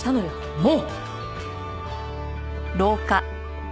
もう！